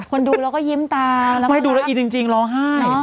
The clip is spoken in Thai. คนดูแล้วก็ยิ้มตาแล้วก็ไม่ดูแล้วอีจริงร้องไห้